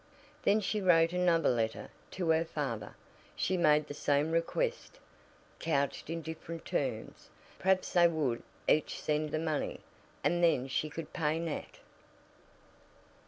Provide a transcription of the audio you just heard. Then she wrote another letter to her father. She made the same request, couched in different terms. Perhaps they would each send the money, and then she could pay Nat.